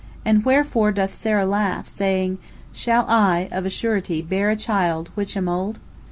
And wherefore doth Sarah laugh, saying, Shall I of a surety bear a child, which am old?"